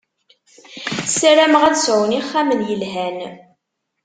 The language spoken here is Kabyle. Saramen ad sɛun ixxamen yelhan.